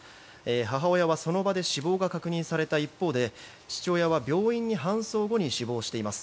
母親はその場で死亡が確認された一方で父親は病院に搬送後に死亡しています。